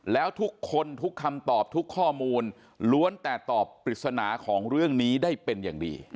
แล้วทุกคนทุกคำตอบทุกข้อมูลล้วนแต่ตอบปริศนาของเรื่องนี้ได้เป็นอย่างดี